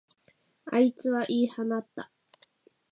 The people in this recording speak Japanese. あいつは言い放った。